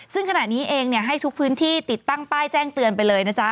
ซึ่งขณะนี้เองให้ทุกพื้นที่ติดตั้งป้ายแจ้งเตือนไปเลยนะจ๊ะ